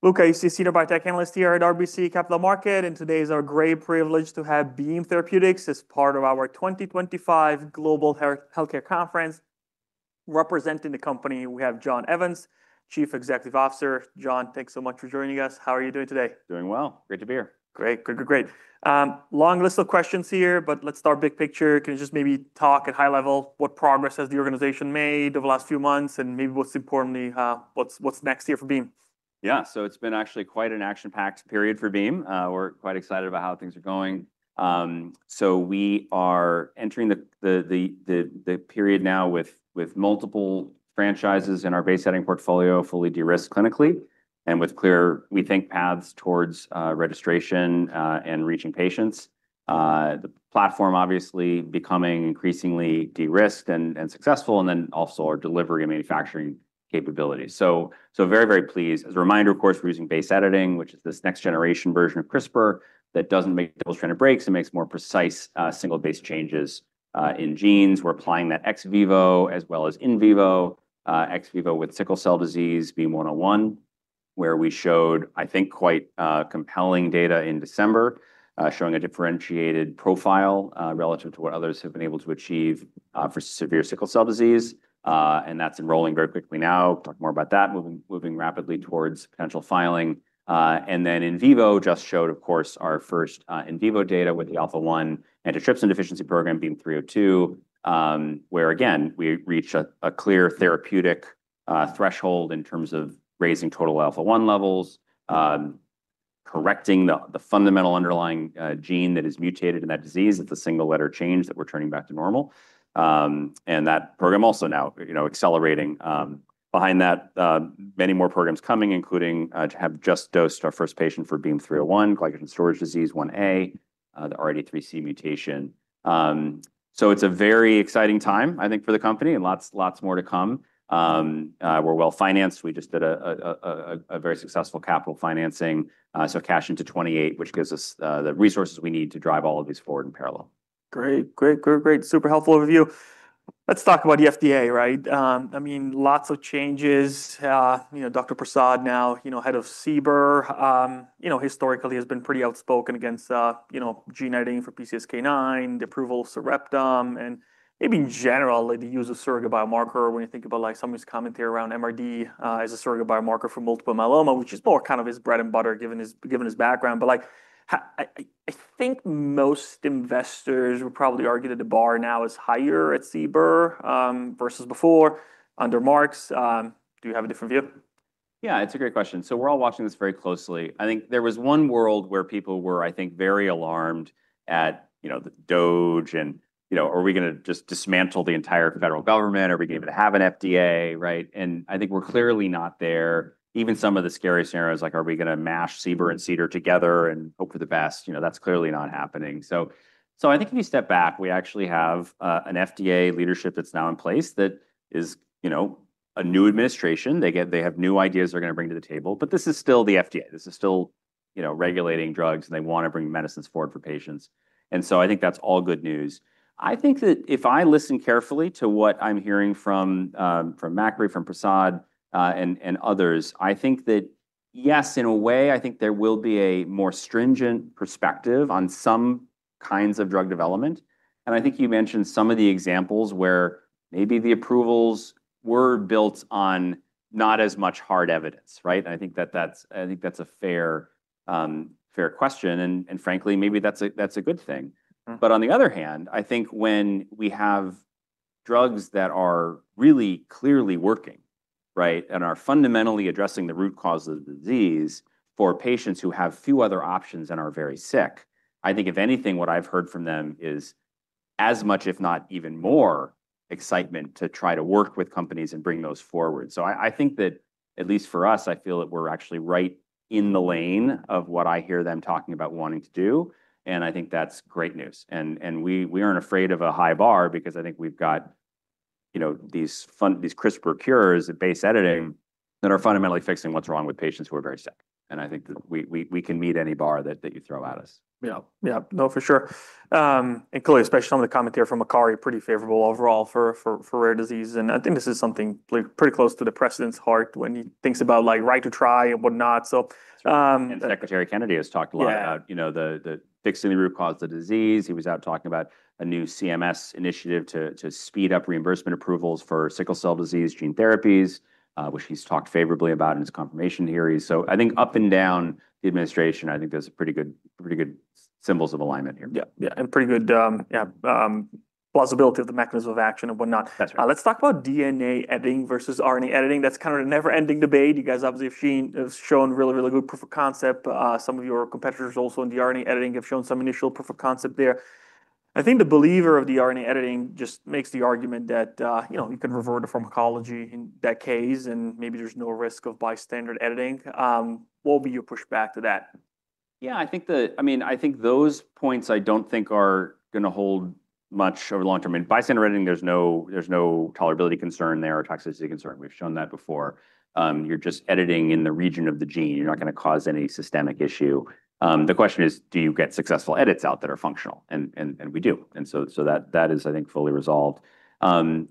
Luca Issi, Senior Biotech Analyst here at RBC Capital Markets, and today is our great privilege to have Beam Therapeutics as part of our 2025 Global Healthcare Conference. Representing the company, we have John Evans, Chief Executive Officer. John, thanks so much for joining us. How are you doing today? Doing well. Great to be here. Great, great, great. Long list of questions here, but let's start big picture. Can you just maybe talk at high level what progress has the organization made over the last few months and maybe what's importantly, what's next here for Beam? Yeah, so it's been actually quite an action-packed period for Beam. We're quite excited about how things are going. We are entering the period now with multiple franchises in our base editing portfolio, fully de-risked clinically, and with clear, we think, paths towards registration and reaching patients. The platform obviously becoming increasingly de-risked and successful, and then also our delivery and manufacturing capabilities. Very, very pleased. As a reminder, of course, we're using base editing, which is this next generation version of CRISPR that doesn't make double-stranded breaks. It makes more precise single base changes in genes. We're applying that ex vivo as well as in vivo, ex vivo with sickle cell disease, BEAM-101, where we showed, I think, quite compelling data in December showing a differentiated profile relative to what others have been able to achieve for severe sickle cell disease. That is enrolling very quickly now. Talk more about that, moving rapidly towards potential filing. In vivo just showed, of course, our first in vivo data with the Alpha-1 Antitrypsin Deficiency program, BEAM-302, where again, we reached a clear therapeutic threshold in terms of raising total Alpha-1 levels, correcting the fundamental underlying gene that is mutated in that disease. It is a single letter change that we are turning back to normal. That program also now, you know, accelerating. Behind that, many more programs coming, including to have just dosed our first patient for BEAM-301, Glycogen Storage Disease Type 1a, the RD3C mutation. It is a very exciting time, I think, for the company and lots, lots more to come. We are well financed. We just did a very successful capital financing, so cash into 2028, which gives us the resources we need to drive all of these forward in parallel. Great, great, great, great. Super helpful of you. Let's talk about the FDA, right? I mean, lots of changes. You know, Dr. Prasad now, you know, head of CBER, you know, historically has been pretty outspoken against, you know, gene editing for PCSK9, the approval of Sarepta, and maybe in general, the use of surrogate biomarker when you think about like some of his commentary around MRD as a surrogate biomarker for multiple myeloma, which is more kind of his bread and butter given his background. I think most investors would probably argue that the bar now is higher at CBER versus before under Marks. Do you have a different view? Yeah, it's a great question. We're all watching this very closely. I think there was one world where people were, I think, very alarmed at, you know, the DOGE and, you know, are we going to just dismantle the entire federal government? Are we going to have an FDA? Right? I think we're clearly not there. Even some of the scariest scenarios, like, are we going to mash CBER and CDER together and hope for the best? You know, that's clearly not happening. I think if you step back, we actually have an FDA leadership that's now in place that is, you know, a new administration. They have new ideas they're going to bring to the table, but this is still the FDA. This is still, you know, regulating drugs and they want to bring medicines forward for patients. I think that's all good news. I think that if I listen carefully to what I'm hearing from Makary, from Prasad, and others, I think that yes, in a way, I think there will be a more stringent perspective on some kinds of drug development. I think you mentioned some of the examples where maybe the approvals were built on not as much hard evidence, right? I think that that's a fair question. Frankly, maybe that's a good thing. On the other hand, I think when we have drugs that are really clearly working, right, and are fundamentally addressing the root cause of the disease for patients who have few other options and are very sick, I think if anything, what I've heard from them is as much, if not even more excitement to try to work with companies and bring those forward. I think that at least for us, I feel that we're actually right in the lane of what I hear them talking about wanting to do. I think that's great news. We aren't afraid of a high bar because I think we've got, you know, these CRISPR cures at base editing that are fundamentally fixing what's wrong with patients who are very sick. I think that we can meet any bar that you throw at us. Yeah, yeah, no, for sure. Clearly, especially some of the commentary from Marty Makary, pretty favorable overall for rare disease. I think this is something pretty close to the president's heart when he thinks about like right to try and whatnot. Secretary Kennedy has talked a lot about, you know, fixing the root cause of the disease. He was out talking about a new CMS initiative to speed up reimbursement approvals for sickle cell disease gene therapies, which he's talked favorably about in his confirmation hearings. I think up and down the administration, I think there's pretty good symbols of alignment here. Yeah, yeah, and pretty good, yeah, plausibility of the mechanism of action and whatnot. Let's talk about DNA editing versus RNA editing. That's kind of a never-ending debate. You guys obviously have shown really, really good proof of concept. Some of your competitors also in the RNA editing have shown some initial proof of concept there. I think the believer of the RNA editing just makes the argument that, you know, you can revert to pharmacology in that case and maybe there's no risk of bystander editing. What would be your pushback to that? Yeah, I think the, I mean, I think those points I don't think are going to hold much over the long term. In bystander editing, there's no tolerability concern there or toxicity concern. We've shown that before. You're just editing in the region of the gene. You're not going to cause any systemic issue. The question is, do you get successful edits out that are functional? And we do. That is, I think, fully resolved. You know,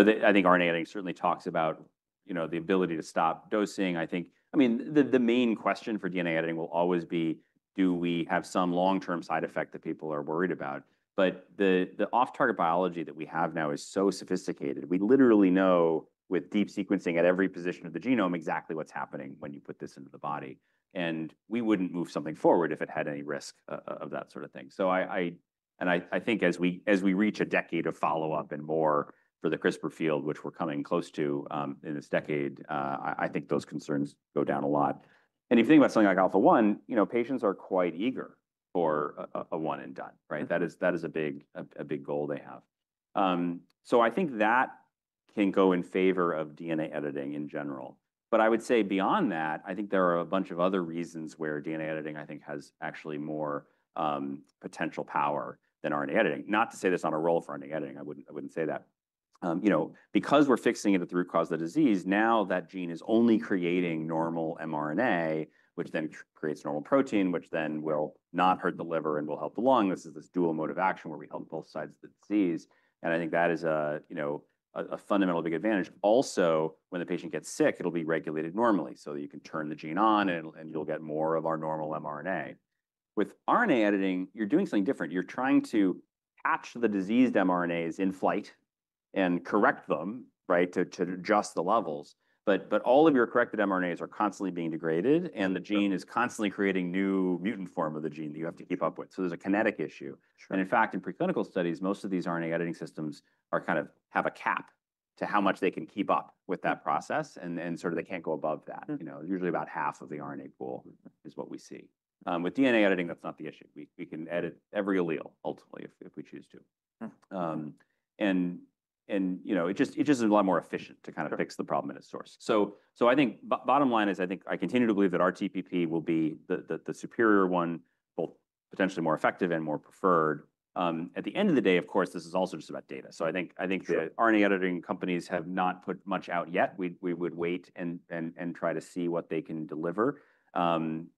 I think RNA editing certainly talks about, you know, the ability to stop dosing. I think, I mean, the main question for DNA editing will always be, do we have some long-term side effect that people are worried about? The off-target biology that we have now is so sophisticated. We literally know with deep sequencing at every position of the genome exactly what's happening when you put this into the body. We wouldn't move something forward if it had any risk of that sort of thing. I think as we reach a decade of follow-up and more for the CRISPR field, which we're coming close to in this decade, those concerns go down a lot. If you think about something like Alpha-1, you know, patients are quite eager for a one and done, right? That is a big goal they have. I think that can go in favor of DNA editing in general. I would say beyond that, there are a bunch of other reasons where DNA editing, I think, has actually more potential power than RNA editing. Not to say this on a role for RNA editing. I would not say that. You know, because we are fixing it at the root cause of the disease, now that gene is only creating normal mRNA, which then creates normal protein, which then will not hurt the liver and will help the lung. This is this dual mode of action where we help both sides of the disease. I think that is a, you know, a fundamental big advantage. Also, when the patient gets sick, it will be regulated normally so that you can turn the gene on and you will get more of our normal mRNA. With RNA editing, you are doing something different. You are trying to patch the diseased mRNAs in flight and correct them, right, to adjust the levels. All of your corrected mRNAs are constantly being degraded and the gene is constantly creating new mutant form of the gene that you have to keep up with. There is a kinetic issue. In fact, in preclinical studies, most of these RNA editing systems kind of have a cap to how much they can keep up with that process. They cannot go above that. You know, usually about half of the RNA pool is what we see. With DNA editing, that is not the issue. We can edit every allele ultimately if we choose to. You know, it just is a lot more efficient to kind of fix the problem at its source. I think bottom line is I think I continue to believe that RTPP will be the superior one, both potentially more effective and more preferred. At the end of the day, of course, this is also just about data. I think the RNA editing companies have not put much out yet. We would wait and try to see what they can deliver. In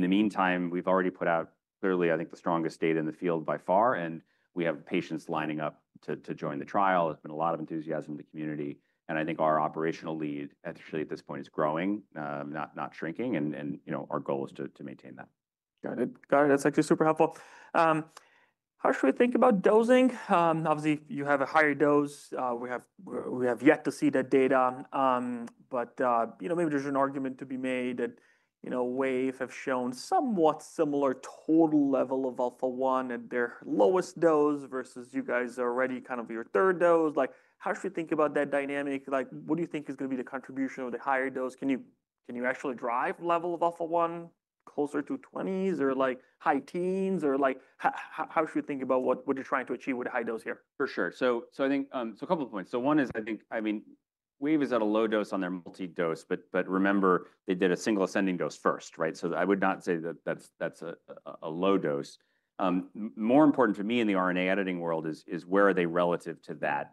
the meantime, we have already put out clearly, I think, the strongest data in the field by far. We have patients lining up to join the trial. There has been a lot of enthusiasm in the community. I think our operational lead actually at this point is growing, not shrinking. You know, our goal is to maintain that. Got it. Got it. That's actually super helpful. How should we think about dosing? Obviously, you have a higher dose. We have yet to see that data. You know, maybe there's an argument to be made that, you know, Wave have shown somewhat similar total level of Alpha-1 at their lowest dose versus you guys are already kind of your third dose. Like, how should we think about that dynamic? Like, what do you think is going to be the contribution of the higher dose? Can you actually drive the level of Alpha-1 closer to 20s or like high teens? Or like, how should we think about what you're trying to achieve with a high dose here? For sure. I think a couple of points. One is, I think, I mean, Wave is at a low dose on their multi-dose, but remember they did a single ascending dose first, right? I would not say that that is a low dose. More important to me in the RNA editing world is where are they relative to that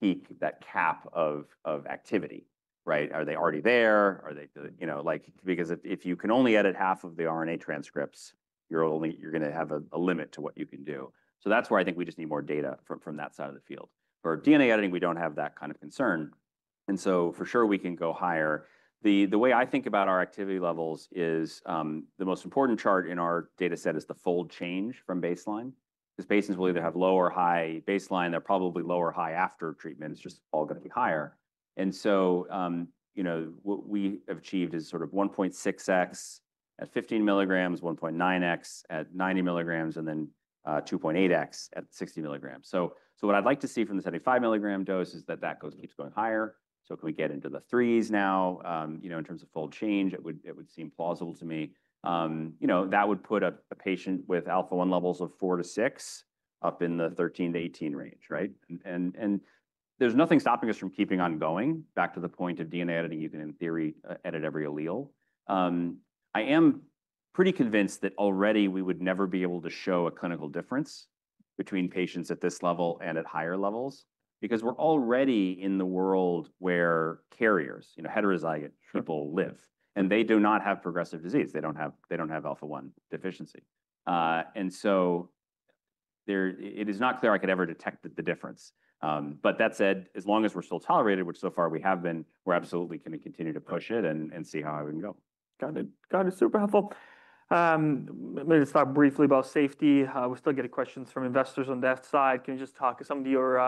peak, that cap of activity, right? Are they already there? Are they, you know, like, because if you can only edit half of the RNA transcripts, you are only, you are going to have a limit to what you can do. That is where I think we just need more data from that side of the field. For DNA editing, we do not have that kind of concern. For sure we can go higher. The way I think about our activity levels is the most important chart in our data set is the fold change from baseline. Because patients will either have low or high baseline. They're probably low or high after treatment. It's just all going to be higher. You know, what we have achieved is sort of 1.6x at 15 mg, 1.9x at 90 mg, and then 2.8x at 60 mg. What I'd like to see from the 75 mg dose is that that goes, keeps going higher. Can we get into the threes now, you know, in terms of fold change? It would seem plausible to me. You know, that would put a patient with Alpha-1 levels of four to six up in the 13-18 range, right? There's nothing stopping us from keeping on going. Back to the point of DNA editing, you can in theory edit every allele. I am pretty convinced that already we would never be able to show a clinical difference between patients at this level and at higher levels because we're already in the world where carriers, you know, heterozygous people live. They do not have progressive disease. They do not have Alpha-1 deficiency. It is not clear I could ever detect the difference. That said, as long as we're still tolerated, which so far we have been, we're absolutely going to continue to push it and see how it can go. Got it. Got it. Super helpful. Let me just talk briefly about safety. We're still getting questions from investors on that side. Can you just talk to some of your,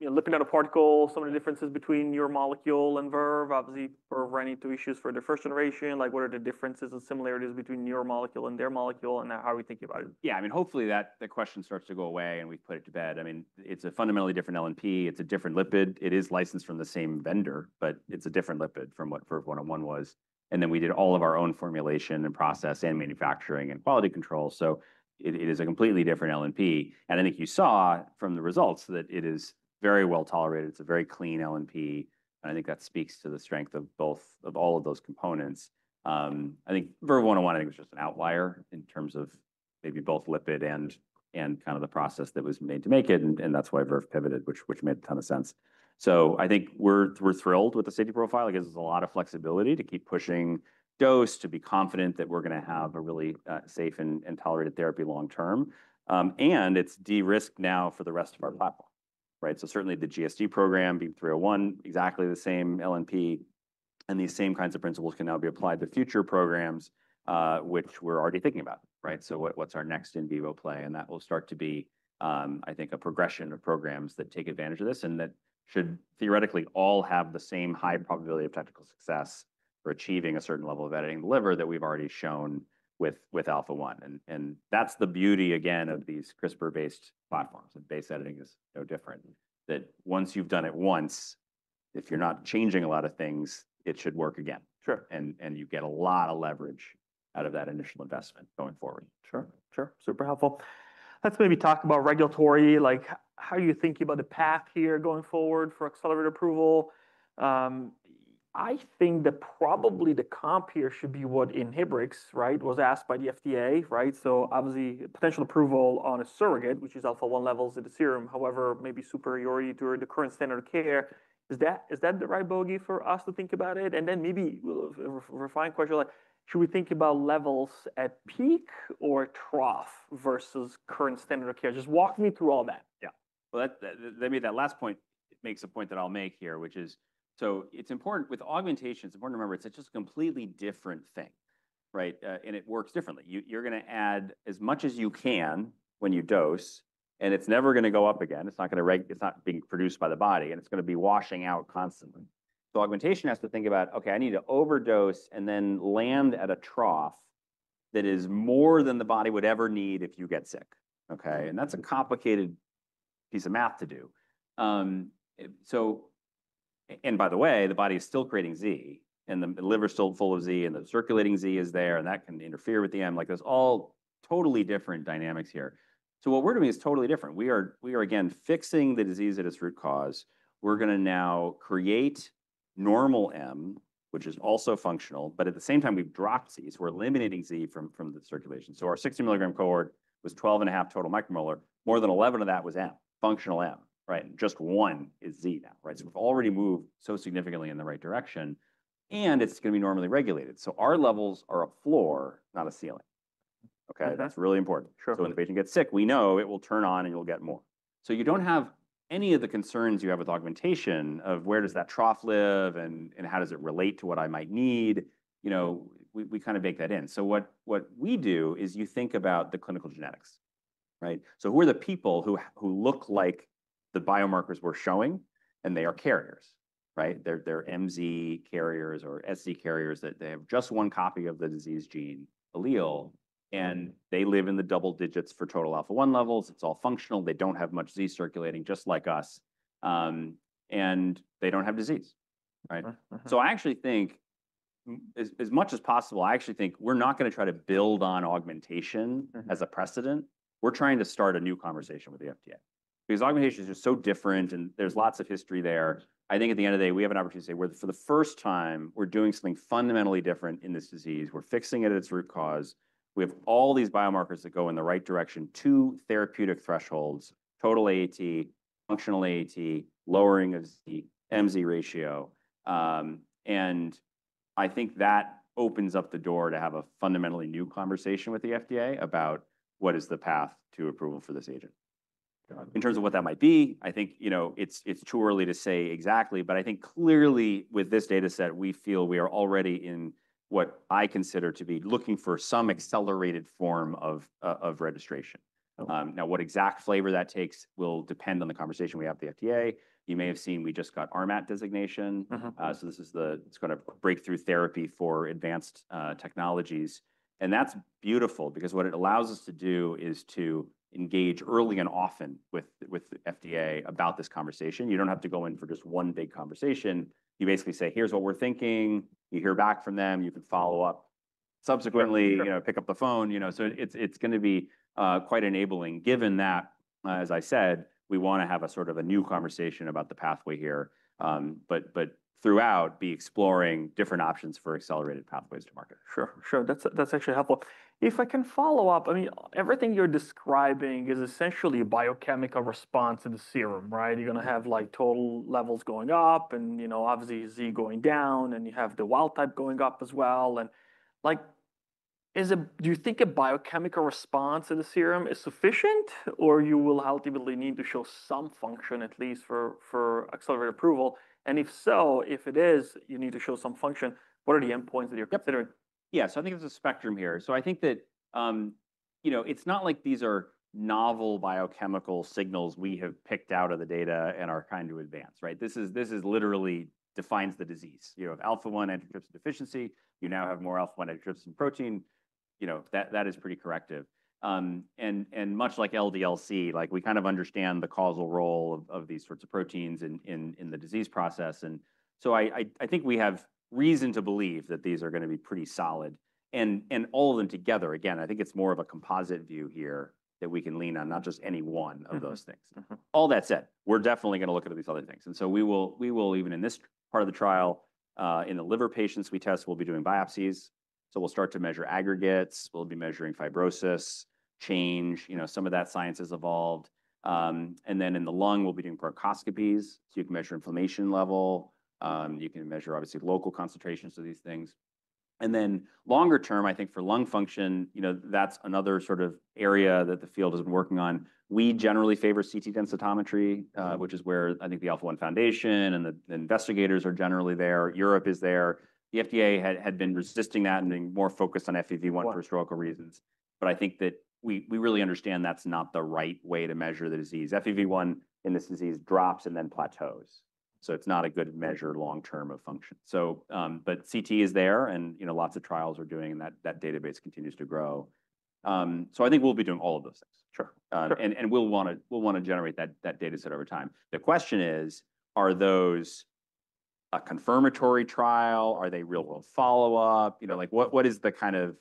you know, lipid nanoparticles, some of the differences between your molecule and Verve, obviously Verve running into issues for the first generation? Like, what are the differences and similarities between your molecule and their molecule? And how are we thinking about it? Yeah, I mean, hopefully that the question starts to go away and we've put it to bed. I mean, it's a fundamentally different LNP. It's a different lipid. It is licensed from the same vendor, but it's a different lipid from what Verve one-on-one was. I mean, we did all of our own formulation and process and manufacturing and quality control. It is a completely different LNP. I think you saw from the results that it is very well tolerated. It's a very clean LNP. I think that speaks to the strength of both of all of those components. I think Verve one-on-one, I think it was just an outlier in terms of maybe both lipid and kind of the process that was made to make it. That's why Verve pivoted, which made a ton of sense. I think we're thrilled with the safety profile. It gives us a lot of flexibility to keep pushing dose, to be confident that we're going to have a really safe and tolerated therapy long term. It is de-risked now for the rest of our platform, right? Certainly the GSD program, BEAM-301, exactly the same LNP. These same kinds of principles can now be applied to future programs, which we're already thinking about, right? What is our next in vivo play? That will start to be, I think, a progression of programs that take advantage of this and that should theoretically all have the same high probability of technical success for achieving a certain level of editing in the liver that we've already shown with Alpha-1. That is the beauty, again, of these CRISPR-based platforms. Base editing is no different. That once you've done it once, if you're not changing a lot of things, it should work again. You get a lot of leverage out of that initial investment going forward. Sure, sure. Super helpful. Let's maybe talk about regulatory. Like, how are you thinking about the path here going forward for accelerated approval? I think that probably the comp here should be what in hybrids, right, was asked by the FDA, right? Obviously potential approval on a surrogate, which is Alpha-1 levels in the serum. However, maybe superiority to the current standard of care. Is that the right bogey for us to think about it? Maybe a refined question, like, should we think about levels at peak or trough versus current standard of care? Just walk me through all that. Yeah. Maybe that last point makes a point that I'll make here, which is, it's important with augmentation, it's important to remember it's just a completely different thing, right? It works differently. You're going to add as much as you can when you dose, and it's never going to go up again. It's not being produced by the body, and it's going to be washing out constantly. Augmentation has to think about, okay, I need to overdose and then land at a trough that is more than the body would ever need if you get sick, okay? That's a complicated piece of math to do. By the way, the body is still creating Z, and the liver is still full of Z, and the circulating Z is there, and that can interfere with the M. Like, there's all totally different dynamics here. What we're doing is totally different. We are again fixing the disease at its root cause. We're going to now create normal M, which is also functional, but at the same time we've dropped Z. We're eliminating Z from the circulation. Our 60 mg cohort was 12.5 total micromolar. More than 11 of that was M, functional M, right? Just one is Z now, right? We've already moved so significantly in the right direction, and it's going to be normally regulated. Our levels are a floor, not a ceiling, okay? That's really important. When the patient gets sick, we know it will turn on and you'll get more. You do not have any of the concerns you have with augmentation of where does that trough live and how does it relate to what I might need, you know, we kind of make that in. What we do is you think about the clinical genetics, right? Who are the people who look like the biomarkers we are showing, and they are carriers, right? They are MZ carriers or SZ carriers that have just one copy of the disease gene allele, and they live in the double digits for total Alpha-1 levels. It is all functional. They do not have much Z circulating, just like us. They do not have disease, right? I actually think, as much as possible, I actually think we are not going to try to build on augmentation as a precedent. We are trying to start a new conversation with the FDA. Because augmentation is just so different, and there's lots of history there. I think at the end of the day, we have an opportunity to say, for the first time, we're doing something fundamentally different in this disease. We're fixing it at its root cause. We have all these biomarkers that go in the right direction to therapeutic thresholds, total AAT, functional AAT, lowering of the MZ ratio. I think that opens up the door to have a fundamentally new conversation with the FDA about what is the path to approval for this agent. In terms of what that might be, I think, you know, it's too early to say exactly, but I think clearly with this data set, we feel we are already in what I consider to be looking for some accelerated form of registration. Now, what exact flavor that takes will depend on the conversation we have with the FDA. You may have seen we just got RMAT designation. This is the kind of breakthrough therapy for advanced technologies. That is beautiful because what it allows us to do is to engage early and often with the FDA about this conversation. You do not have to go in for just one big conversation. You basically say, here is what we are thinking. You hear back from them. You can follow up subsequently, you know, pick up the phone, you know. It is going to be quite enabling, given that, as I said, we want to have a sort of a new conversation about the pathway here, but throughout be exploring different options for accelerated pathways to market. Sure, sure. That's actually helpful. If I can follow up, I mean, everything you're describing is essentially a biochemical response in the serum, right? You're going to have like total levels going up and, you know, obviously Z going down and you have the wild type going up as well. Like, do you think a biochemical response in the serum is sufficient or you will ultimately need to show some function at least for accelerated approval? If so, if it is, you need to show some function. What are the endpoints that you're considering? Yeah, so I think there's a spectrum here. I think that, you know, it's not like these are novel biochemical signals we have picked out of the data and are kind of advanced, right? This literally defines the disease. You have Alpha-1 antitrypsin deficiency. You now have more Alpha-1 antitrypsin protein. You know, that is pretty corrective. And much like LDLC, like we kind of understand the causal role of these sorts of proteins in the disease process. I think we have reason to believe that these are going to be pretty solid. All of them together, again, I think it's more of a composite view here that we can lean on, not just any one of those things. All that said, we're definitely going to look at these other things. We will, even in this part of the trial, in the liver patients we test, be doing biopsies. We will start to measure aggregates. We will be measuring fibrosis change. You know, some of that science has evolved. In the lung, we will be doing bronchoscopies. You can measure inflammation level. You can measure, obviously, local concentrations of these things. Longer term, I think for lung function, you know, that is another sort of area that the field has been working on. We generally favor CT densitometry, which is where I think the Alpha-1 Foundation and the investigators are generally there. Europe is there. The FDA had been resisting that and being more focused on FEV1 for stroke reasons. I think that we really understand that is not the right way to measure the disease. FEV1 in this disease drops and then plateaus. It's not a good measure long term of function. So, but CT is there and, you know, lots of trials are doing and that database continues to grow. I think we'll be doing all of those things. We'll want to generate that data set over time. The question is, are those a confirmatory trial? Are they real-world follow-up? You know, like what is the kind of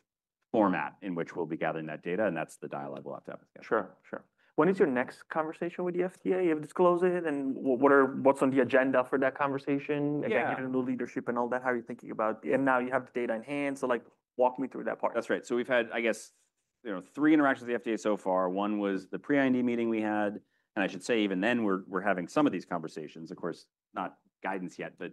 format in which we'll be gathering that data? That's the dialogue we'll have to have together. Sure, sure. When is your next conversation with the FDA? You have disclosed it and what's on the agenda for that conversation? Again, given the leadership and all that, how are you thinking about it? Now you have the data in hand. Like, walk me through that part. That's right. So we've had, I guess, you know, three interactions with the FDA so far. One was the pre-IND meeting we had. And I should say even then we're having some of these conversations. Of course, not guidance yet, but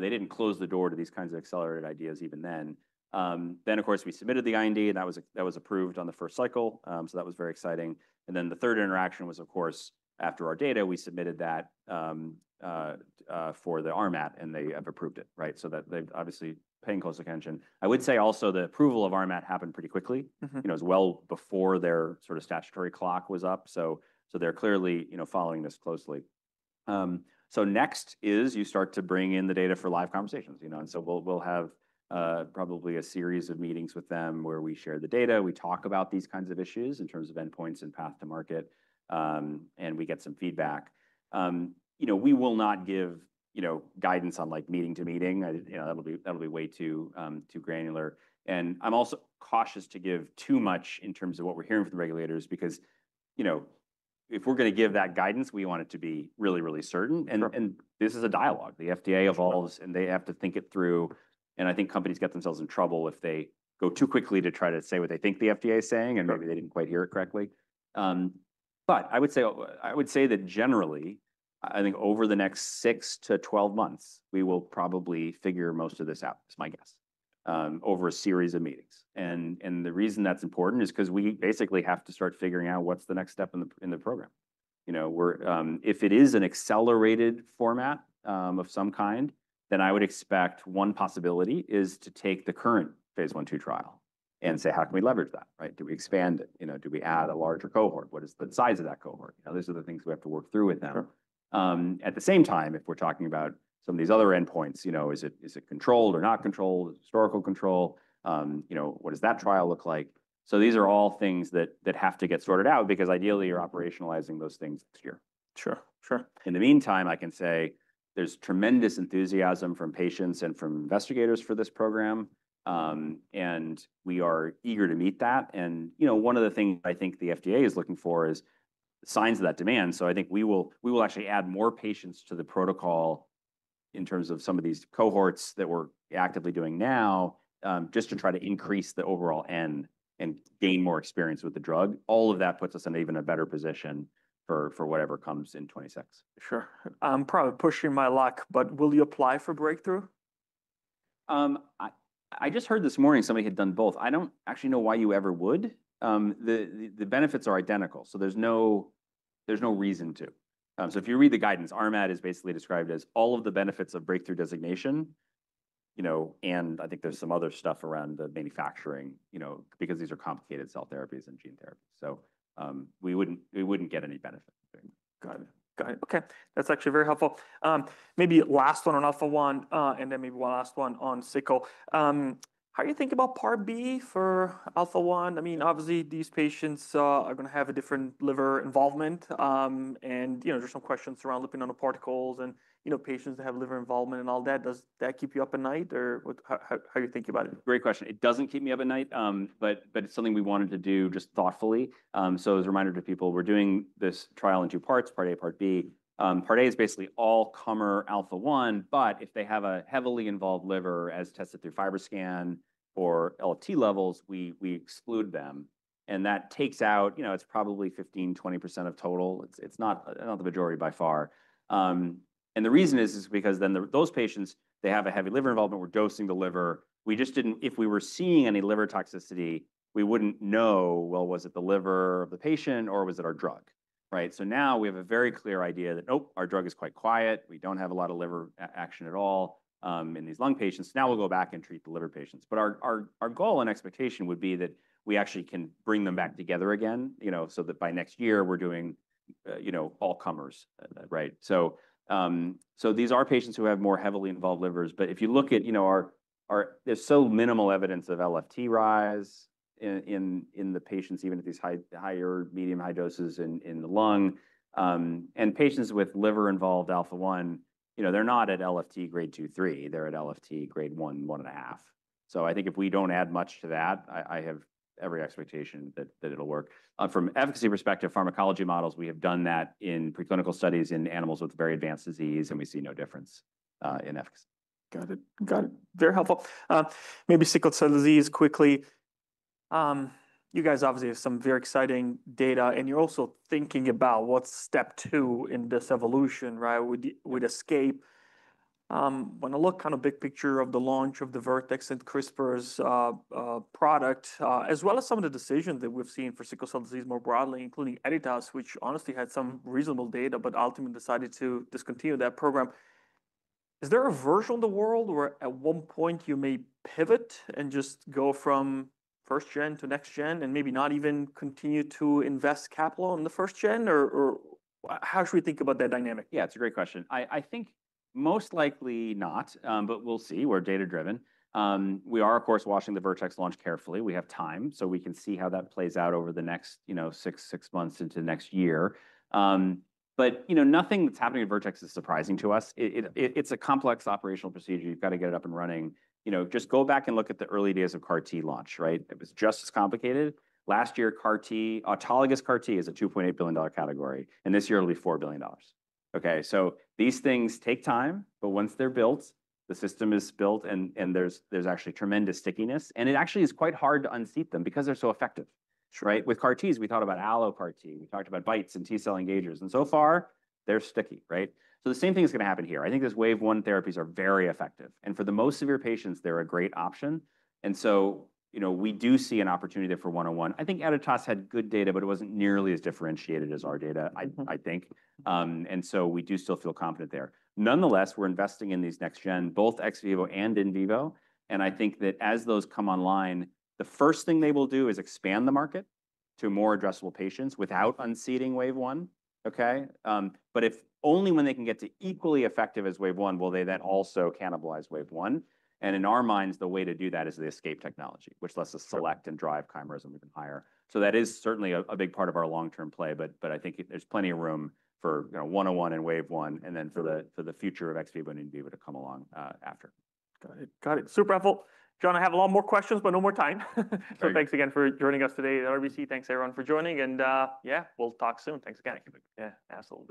they didn't close the door to these kinds of accelerated ideas even then. Then, of course, we submitted the IND and that was approved on the first cycle. That was very exciting. The third interaction was, of course, after our data, we submitted that for the RMAT and they have approved it, right? They've obviously been paying close attention. I would say also the approval of RMAT happened pretty quickly, you know, as well before their sort of statutory clock was up. They're clearly, you know, following this closely. Next is you start to bring in the data for live conversations, you know. We'll have probably a series of meetings with them where we share the data. We talk about these kinds of issues in terms of endpoints and path to market. We get some feedback. You know, we will not give, you know, guidance on like meeting to meeting. That'll be way too granular. I'm also cautious to give too much in terms of what we're hearing from the regulators because, you know, if we're going to give that guidance, we want it to be really, really certain. This is a dialogue. The FDA evolves and they have to think it through. I think companies get themselves in trouble if they go too quickly to try to say what they think the FDA is saying and maybe they didn't quite hear it correctly. I would say that generally, I think over the next 6 to 12 months, we will probably figure most of this out, is my guess, over a series of meetings. The reason that's important is because we basically have to start figuring out what's the next step in the program. You know, if it is an accelerated format of some kind, then I would expect one possibility is to take the current phase one two trial and say, how can we leverage that, right? Do we expand it? You know, do we add a larger cohort? What is the size of that cohort? You know, these are the things we have to work through with them. At the same time, if we're talking about some of these other endpoints, you know, is it controlled or not controlled? Is it historical control? You know, what does that trial look like? These are all things that have to get sorted out because ideally you're operationalizing those things next year. Sure, sure. In the meantime, I can say there's tremendous enthusiasm from patients and from investigators for this program. We are eager to meet that. You know, one of the things I think the FDA is looking for is signs of that demand. I think we will actually add more patients to the protocol in terms of some of these cohorts that we're actively doing now, just to try to increase the overall n and gain more experience with the drug. All of that puts us in an even better position for whatever comes in 2026. Sure. I'm probably pushing my luck, but will you apply for breakthrough? I just heard this morning somebody had done both. I don't actually know why you ever would. The benefits are identical. There's no reason to. If you read the guidance, RMAT is basically described as all of the benefits of breakthrough designation, you know, and I think there's some other stuff around the manufacturing, you know, because these are complicated cell therapies and gene therapies. We wouldn't get any benefit from doing that. Got it. Got it. Okay. That's actually very helpful. Maybe last one on Alpha-1 and then maybe one last one on SICO. How do you think about part B for Alpha-1? I mean, obviously these patients are going to have a different liver involvement. And, you know, there's some questions around lipid nanoparticles and, you know, patients that have liver involvement and all that. Does that keep you up at night or how do you think about it? Great question. It doesn't keep me up at night, but it's something we wanted to do just thoughtfully. As a reminder to people, we're doing this trial in two parts, part A, part B. Part A is basically all Comer Alpha-1, but if they have a heavily involved liver as tested through FibroScan or LFT levels, we exclude them. That takes out, you know, it's probably 15%-20% of total. It's not the majority by far. The reason is because then those patients, they have a heavy liver involvement. We're dosing the liver. We just didn't, if we were seeing any liver toxicity, we wouldn't know, well, was it the liver of the patient or was it our drug, right? Now we have a very clear idea that, oh, our drug is quite quiet. We don't have a lot of liver action at all in these lung patients. Now we'll go back and treat the liver patients. Our goal and expectation would be that we actually can bring them back together again, you know, so that by next year we're doing, you know, all comers, right? These are patients who have more heavily involved livers, but if you look at, you know, there's so minimal evidence of LFT rise in the patients, even at these higher, medium high doses in the lung. Patients with liver involved Alpha-1, you know, they're not at LFT grade 2, 3. They're at LFT grade 1, 1.5. I think if we don't add much to that, I have every expectation that it'll work. From efficacy perspective, pharmacology models, we have done that in preclinical studies in animals with very advanced disease and we see no difference in efficacy. Got it. Got it. Very helpful. Maybe sickle cell disease quickly. You guys obviously have some very exciting data and you're also thinking about what's step two in this evolution, right? Would ESCAPE. Want to look kind of big picture of the launch of the Vertex and CRISPR's product, as well as some of the decisions that we've seen for sickle cell disease more broadly, including Editas, which honestly had some reasonable data, but ultimately decided to discontinue that program. Is there a version of the world where at one point you may pivot and just go from first gen to next gen and maybe not even continue to invest capital in the first gen? Or how should we think about that dynamic? Yeah, it's a great question. I think most likely not, but we'll see. We're data driven. We are, of course, watching the Vertex launch carefully. We have time, so we can see how that plays out over the next, you know, six, six months into the next year. You know, nothing that's happening in Vertex is surprising to us. It's a complex operational procedure. You've got to get it up and running. You know, just go back and look at the early days of CAR-T launch, right? It was just as complicated. Last year, CAR-T, autologous CAR-T is a $2.8 billion category. And this year it'll be $4 billion. Okay? These things take time, but once they're built, the system is built and there's actually tremendous stickiness. It actually is quite hard to unseat them because they're so effective, right? With CAR-Ts, we thought about AlloCAR T. We talked about bytes and T-cell engagers. And so far, they're sticky, right? The same thing is going to happen here. I think these wave one therapies are very effective. And for the most severe patients, they're a great option. You know, we do see an opportunity there for one-on-one. I think Editas had good data, but it wasn't nearly as differentiated as our data, I think. We do still feel confident there. Nonetheless, we're investing in these next gen, both ex vivo and in vivo. I think that as those come online, the first thing they will do is expand the market to more addressable patients without unseating wave one, okay? Only when they can get to equally effective as wave one, will they then also cannibalize wave one? In our minds, the way to do that is the ESCAPE technology, which lets us select and drive chimerism even higher. That is certainly a big part of our long-term play, but I think there's plenty of room for one-on-one and wave one and then for the future of ex vivo and in vivo to come along after. Got it. Got it. Super helpful. John, I have a lot more questions, but no more time. Thanks again for joining us today at RBC. Thanks everyone for joining. Yeah, we'll talk soon. Thanks again. Yeah, absolutely.